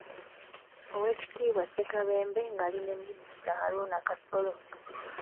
Oweekitiibwa Ssekabembe nga ali ne minisita Haruna Kasolo.